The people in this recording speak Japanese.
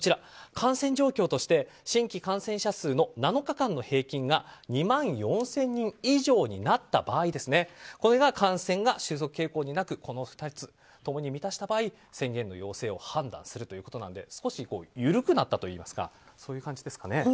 感染状況として、新規感染者数の７日間の平均が２万４０００人以上になった場合これが感染が収束傾向になく２つ共に満たした場合宣言の要請を判断するということなので少しゆるくなったといいますかそういう感じですかね。